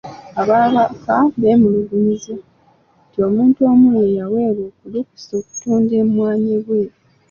Ababaka beemulugunyizza nti omuntu omu ye yaweebwa olukusa okutunda emmwanyi ebweru.